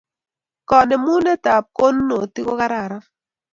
Kanemunet ab kanonotik ko kararan